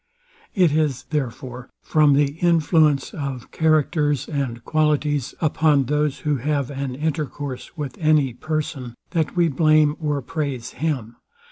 It is therefore from the influence of characters and qualities, upon those who have an intercourse with any person, that we blame or praise him.